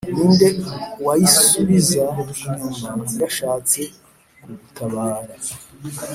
ni nde wayisubiza inyuma yashatse kugutabara